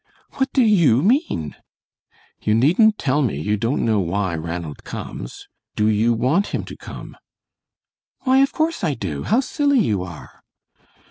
"What do YOU mean?" "You needn't tell me you don't know why Ranald comes. Do you want him to come?" "Why, of course I do; how silly you are."